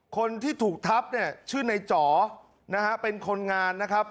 คนที่ถูกทับเนี่ยชื่อในจ๋อนะฮะเป็นคนงานนะครับ